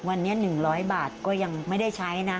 วันนี้๑๐๐บาทก็ยังไม่ได้ใช้นะ